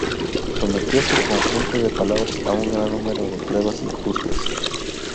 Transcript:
Sometió su conjunto de palabras a un gran número de pruebas y ajustes.